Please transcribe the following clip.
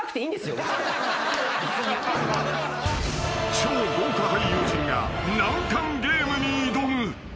［超豪華俳優陣が難関ゲームに挑む］